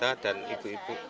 lansia balita dan ibu ibu